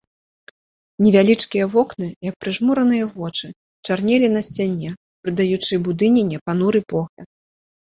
Невялічкія вокны, як прыжмураныя вочы, чарнелі на сцяне, прыдаючы будыніне пануры погляд.